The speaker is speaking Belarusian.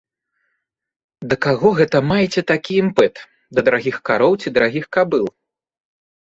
Да каго гэта маеце такі імпэт, да дарагіх кароў ці дарагіх кабыл?